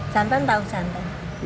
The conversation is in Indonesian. jantan tau jantan